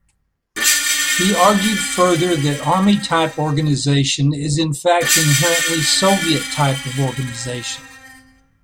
He argued further that "army-type organization is in fact inherently Soviet type of organization".